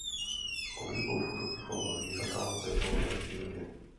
S oblibou fotografoval zvířata ve volné přírodě.